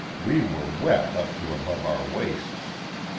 We were wet up to above our waists.